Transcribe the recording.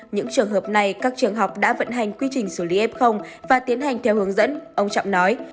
những trường hợp này các trường học đã vận hành quy trình xử lý f và tiến hành theo hướng dẫn ông trọng nói